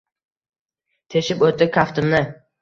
Teshib oʻtdi kaftimni.